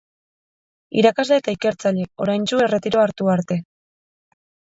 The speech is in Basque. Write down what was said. Irakasle eta ikertzaile oraintsu erretiroa hartu arte.